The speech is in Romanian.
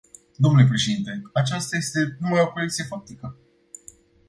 Dle președinte, aceasta este numai o corecție faptică.